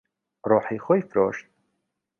ڕۆحی خۆی فرۆشت.